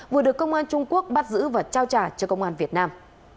vừa được công an trung quốc bắt giữ và trao trả cho công an việt nam